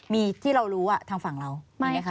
มีที่เรารู้ทางฝั่งเรามีไหมคะ